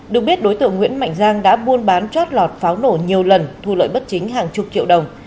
được biết đối tượng nguyễn mạnh giang đã buôn bán chót lọt pháo nổ nhiều lần thu lợi bất chính hàng chục triệu đồng